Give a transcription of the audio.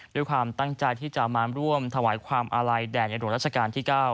ด้วยความตั้งใจที่จะมาร่วมถวายความอาลัยแด่ในหลวงราชการที่๙